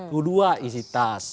kedua isi tas